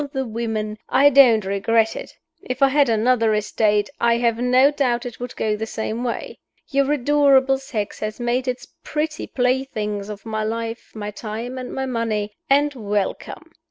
the women. I don't regret it. If I had another estate, I have no doubt it would go the same way. Your adorable sex has made its pretty playthings of my life, my time, and my money and welcome!